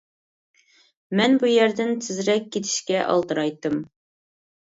مەن بۇ يەردىن تېزرەك كېتىشكە ئالدىرايتتىم.